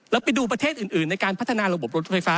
แล้วไปดูประเทศอื่นในการพัฒนาระบบรถไฟฟ้า